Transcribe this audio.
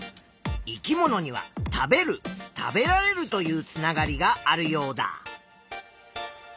生き物には「食べる食べられる」というつながりがあるヨウダ。